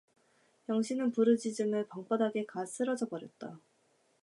영신은 부르짖으며 방바닥에 가 쓰러져 버렸다.